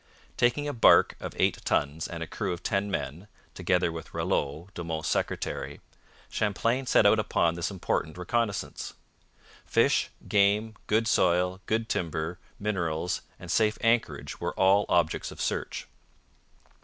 Taking a barque of eight tons and a crew of ten men (together with Ralleau, De Monts' secretary), Champlain set out upon this important reconnaissance. Fish, game, good soil, good timber, minerals, and safe anchorage were all objects of search.